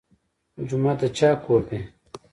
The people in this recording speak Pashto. جومات د چا کور دی؟